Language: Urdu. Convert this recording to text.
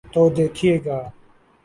تو دیکھیے گا۔